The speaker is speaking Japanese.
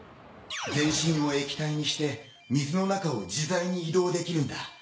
全身を液体にして水の中を自在に移動できるんだ。